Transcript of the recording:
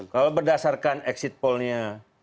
kalau berdasarkan exit poll nya